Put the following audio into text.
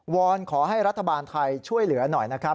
อนขอให้รัฐบาลไทยช่วยเหลือหน่อยนะครับ